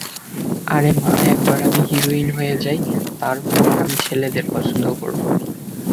আরে মা, একবার আমি হিরোইন হয়ে যাই, তারপর আমি ছেলেদের পছন্দ করব।